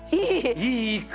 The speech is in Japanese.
いい句。